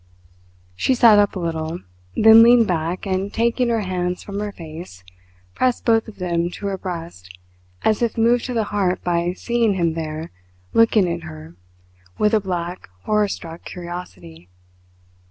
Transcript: She sat up a little, then leaned back, and taking her hands from her face, pressed both of them to her breast as if moved to the heart by seeing him there looking at her with a black, horror struck curiosity.